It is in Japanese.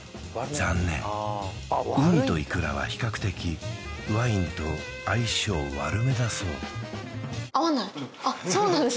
残念ウニとイクラは比較的ワインと相性悪めだそうそうなんだ